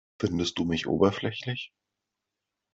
Findest du mich oberflächlich?